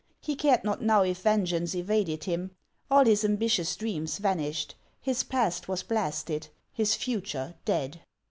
He cared not now if vengeance evaded him ; all his ambitious dreams van ished, — his past was blasted, his future dead.